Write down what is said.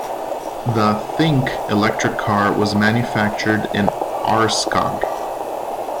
The Think electric car was manufactured in Aurskog.